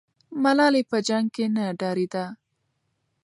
ملالۍ په جنګ کې نه ډارېده.